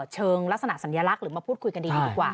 เชิงลักษณะสัญลักษณ์หรือมาพูดคุยกันดีดีกว่า